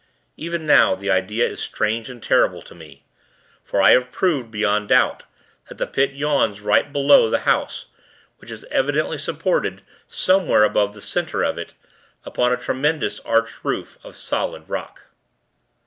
Even now, the idea is strange and terrible to me. For I have proved, beyond doubt, that the Pit yawns right below the house, which is evidently supported, somewhere above the center of it, upon a tremendous, arched roof, of solid rock.